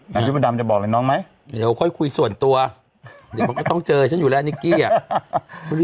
พี่มดดำจะบอกอะไรน้องไหมเดี๋ยวค่อยคุยส่วนตัวเดี๋ยวมันก็ต้องเจอฉันอยู่แล้วนิกกี้อ่ะ